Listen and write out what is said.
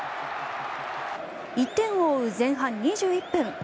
１点を追う前半２１分。